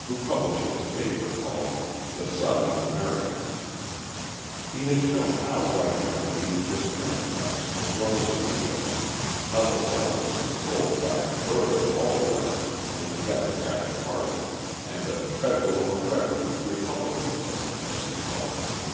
who publishes a paper called the Southern American. He has shown how white men are being disfranchised as well as Negroes, how the South is controlled by a "Bourbon oligarchy" in the Democratic party and a "federal for revenue" Republican party as he calls them.